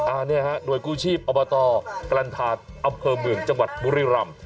อ่าเนี่ยฮะโดยกู้ชีพอบตกรรทาดอัพเภอเมืองจังหวัดบุริรัม